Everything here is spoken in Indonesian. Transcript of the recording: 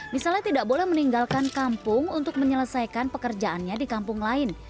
misalnya tidak boleh meninggalkan kampung untuk menyelesaikan pekerjaannya di kampung lain